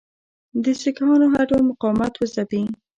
د سیکهانو هر ډول مقاومت وځپي.